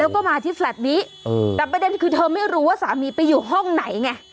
แล้วก็มาที่แฟลต์นี้แต่ประเด็นคือเธอไม่รู้ว่าสามีไปอยู่ห้องไหนไง